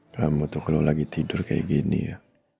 kamu tuh kalau lagi tidur kayak gini ya